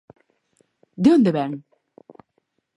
De onde vén?